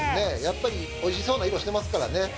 やっぱり美味しそうな色してますからね。